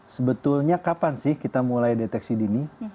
sebetulnya kapan sih kita mulai deteksi dini